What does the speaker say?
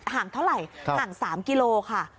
ห่างเท่าไหร่ห่าง๓กิโลค่ะ